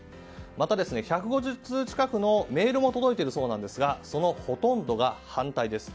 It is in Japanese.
また１５０通近くのメールも届いているそうなんですがそのほとんどが反対です。